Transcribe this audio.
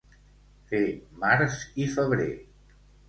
Fer març i febrer.